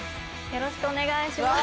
よろしくお願いします。